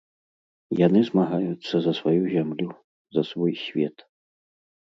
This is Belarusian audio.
Яны змагаюцца за сваю зямлю, за свой свет.